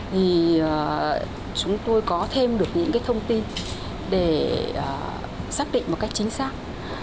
thì chúng tôi có thêm được những cái thông tin để xác định một cách chính xác